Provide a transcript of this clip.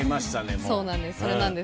そうなんです。